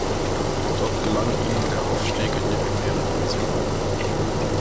Dort gelang ihm der Aufstieg in die Primera División.